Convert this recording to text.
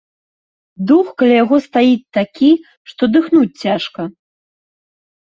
Дух каля яго стаіць такі, што дыхнуць цяжка.